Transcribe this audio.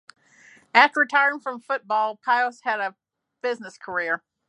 After retiring from football, Pihos had a business career.